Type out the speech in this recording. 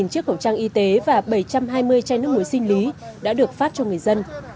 hai chiếc khẩu trang y tế và bảy trăm hai mươi chai nước muối xinh lý đã được phát cho người dân